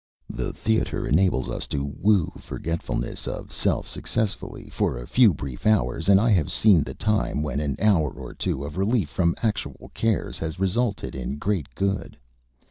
The theatre enables us to woo forgetfulness of self successfully for a few brief hours, and I have seen the time when an hour or two of relief from actual cares has resulted in great good.